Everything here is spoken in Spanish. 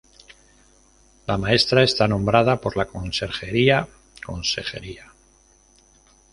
La maestra está nombrada por la Consejería de Educación.